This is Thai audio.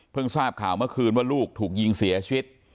ทราบข่าวเมื่อคืนว่าลูกถูกยิงเสียชีวิต